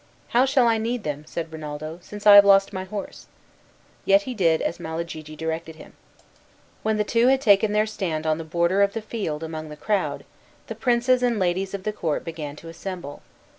"How shall I need them," said Rinaldo, "since I have lost my horse?" Yet he did as Malagigi directed him. When the two had taken their stand on the border of the field among the crowd the princes and ladies of the court began to assemble.